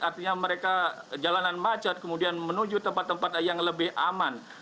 artinya mereka jalanan macet kemudian menuju tempat tempat yang lebih aman